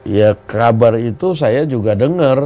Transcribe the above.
ya kabar itu saya juga dengar